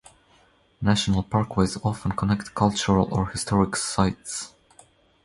National Parkways often connect cultural or historic sites.